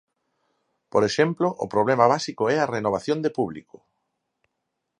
Por exemplo, o problema básico é a renovación de público.